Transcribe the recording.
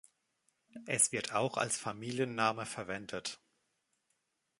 Es wird auch als Familienname verwendet.